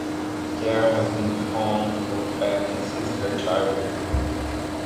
Khare has been fond of acting since her childhood.